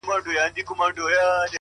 چي ته راځې تر هغو خاندمه، خدایان خندوم،